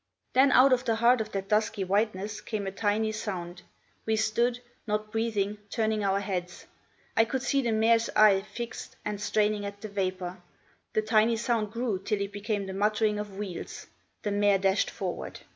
Then, out of the heart of that dusky whiteness, came a tiny sound; we stood, not breathing, turning our heads. I could see the mare's eye fixed and straining at the vapour. The tiny sound grew till it became the muttering of wheels. The mare dashed forward.